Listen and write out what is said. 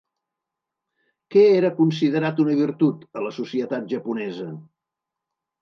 Què era considerat una virtut a la societat japonesa?